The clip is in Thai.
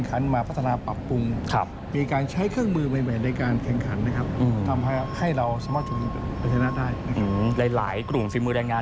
กับภาษานำปรับปุ่มครับมีการใช้เครื่องมือใหม่การแข่งขันนะครับหนังลายกว่าได้ได้กลุ่มฝีมือแรงการ